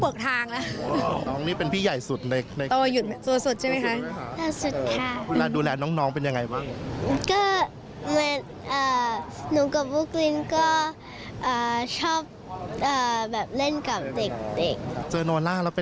บุ๊คจะฟัดมากกว่า